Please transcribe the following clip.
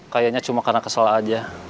kayaknya cuma karena kesalahan aja